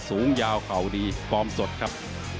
สูงยาวเข่าดีฟอร์มสดครับ